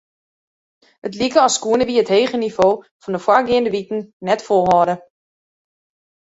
It like as koene wy it hege nivo fan de foargeande wiken net folhâlde.